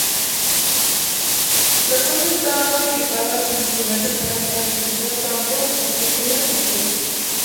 La sonda estaba equipada con instrumentos para caracterizar campos, partículas y polvo.